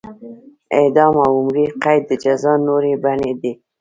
اعدام او عمري قید د جزا نورې بڼې دي.